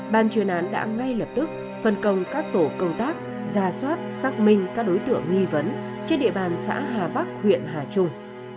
ban chuyên án đã ngay lập tức phân công các tổ công tác ra soát xác minh các đối tượng nghi vấn trên địa bàn xã hà bắc huyện hà trung